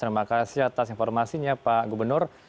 terima kasih atas informasinya pak gubernur